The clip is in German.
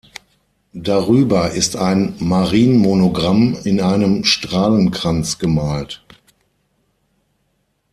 Darüber ist ein Marienmonogramm in einem Strahlenkranz gemalt.